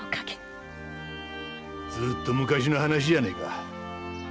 ずっと昔の話じゃねえか。